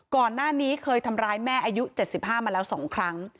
ก่อนหน้านี้เคยทำร้ายแม่อายุ๗๕มาแล้ว๒ครั้ง